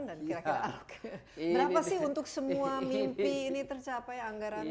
dan kira kira apa sih untuk semua mimpi ini tercapai anggarannya